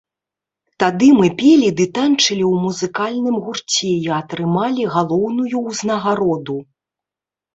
Тады мы пелі ды танчылі ў музыкальным гурце і атрымалі галоўную ўзнагароду.